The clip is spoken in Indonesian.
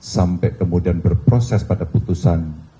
sampai kemudian berproses pada putusan